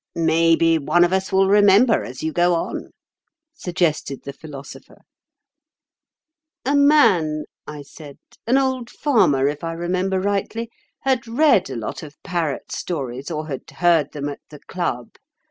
"Maybe one of us will remember as you go on," suggested the Philosopher. "A man," I said—"an old farmer, if I remember rightly—had read a lot of parrot stories, or had heard them at the club.